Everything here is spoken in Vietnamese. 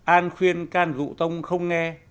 an khuyên can dụ tông không nghe